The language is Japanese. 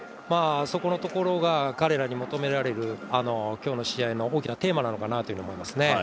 そこのところが彼らに求められる今日の試合の大きなテーマなのかなと思いますね。